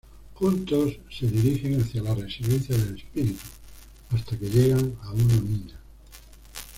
Juntos, se dirigen hacia la residencia del espíritu, hasta que llegan a una mina.